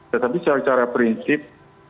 tetapi secara prinsip